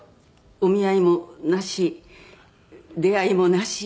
お見合いもなし出会いもなし。